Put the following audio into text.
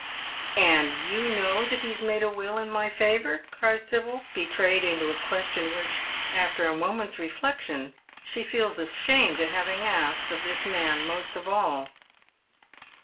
And you know that he has made a will in my favour ?" cries Sibyl, betrayed into a question which, after a moment's reflec tion, she feels ashamed at having asked, of this man most of all.